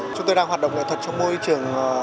chúng tôi đang hoạt động nghệ thuật trong môi trường